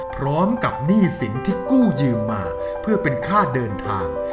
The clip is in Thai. หนี้สินที่กู้ยืมมาเพื่อเป็นค่าเดินทาง